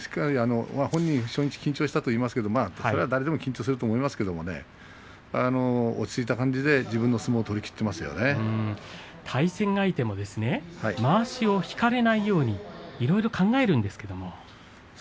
本人、初日は緊張したと言っていますが誰でも緊張すると思いますけど落ち着いた感じで自分の相撲を対戦相手もまわしを引かれないようにいろいろ考えるんですけれども。